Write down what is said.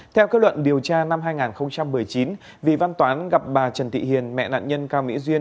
theo kết luận điều tra năm hai nghìn một mươi chín vì văn toán gặp bà trần thị hiền mẹ nạn nhân cao mỹ duyên